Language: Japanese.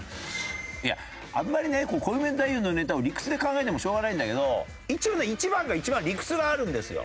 いやあんまりねコウメ太夫のネタを理屈で考えてもしょうがないんだけど一応ね１番が一番理屈があるんですよ。